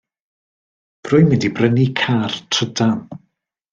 Rwy'n mynd i brynu car trydan.